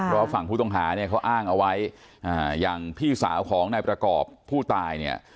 เพราะฝั่งผู้ต้องหาเนี่ยเขาอ้างเอาไว้อย่างพี่สาวของนายประกอบผู้ตายเนี่ย